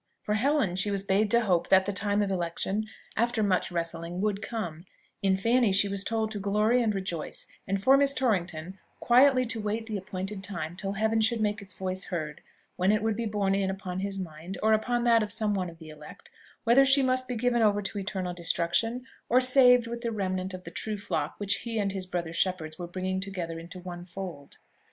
For Helen she was bade to hope that the time of election, after much wrestling, would come; in Fanny she was told to glory and rejoice; and for Miss Torrington, quietly to wait the appointed time, till Heaven should make its voice heard, when it would be borne in upon his mind, or upon that of some one of the elect, whether she must be given over to eternal destruction, or saved with the remnant of the true flock which he and his brother shepherds were bringing together into one fold.